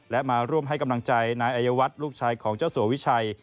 และมาร่วมให้กำลังใจนายอัยวัฒน์ลูกชายของเจ้าสัววิชัย